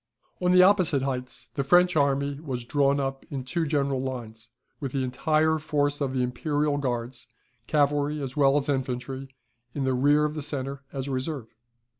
] On the opposite heights the French army was drawn up in two general lines, with the entire force of the Imperial Guards, cavalry as well as infantry, in rear of the centre, as a reserve.